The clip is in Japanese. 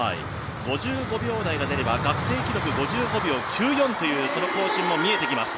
５５秒台が出れば学生記録５５秒９４という更新も見えてきます。